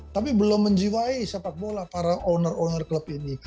tapi belum menjiwai sepak bola para owner owner klub ini